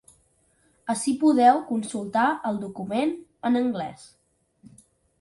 Ací podeu consultar el document, en anglès.